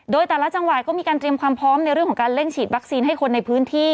โดยแต่ละจังหวัดก็มีการเตรียมความพร้อมในเรื่องของการเร่งฉีดวัคซีนให้คนในพื้นที่